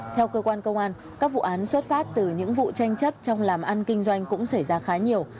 theo cơ quan công an các vụ án xuất phát từ những vụ tranh chấp trong làm ăn kinh doanh cũng xảy ra khá nhiều